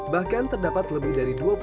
bahkan terdapat lebih dari